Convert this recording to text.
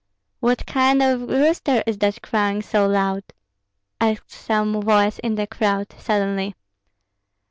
"What kind of rooster is that crowing so loud?" asked some voice in the crowd, suddenly.